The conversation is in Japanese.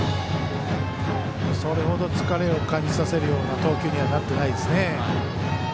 それほど疲れを感じさせるような投球にはなってないですね。